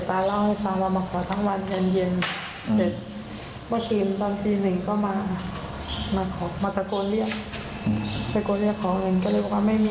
ตาก็ออกมาตาก็บอกว่าอย่าทำตอนเช้าทำไปแม่จะเอารถไหนไปทำงาน